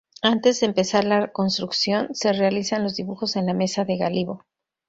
Antes de empezar la construcción, se realizan los dibujos en la mesa de gálibo.